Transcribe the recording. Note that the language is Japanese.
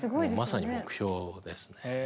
まさに目標ですね。